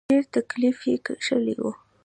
ډېر تکليف یې کشلی و.